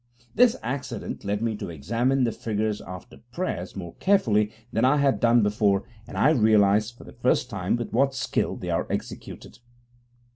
This accident led me to examine the figures after prayers more carefully than I had done before, and I realized for the first time with what skill they are executed.